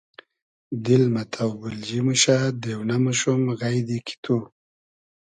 دیل مۂ تۆبیلجی موشۂ دېونۂ موشوم غݷدی کی تو